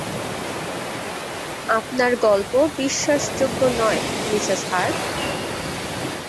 আপনার গল্প বিশ্বাসযোগ্য নয়, মিসেস হার্ট।